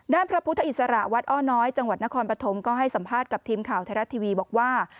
พระพุทธอิสระวัดอ้อน้อยจังหวัดนครปฐมก็ให้สัมภาษณ์กับทีมข่าวไทยรัฐทีวีบอกว่า